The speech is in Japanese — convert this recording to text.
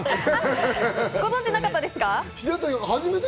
ご存じなかったですか？